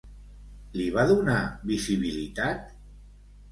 Li va donar visibilitat?